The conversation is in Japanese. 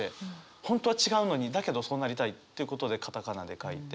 本当は違うのにだけどそうなりたいっていうことでカタカナで書いて。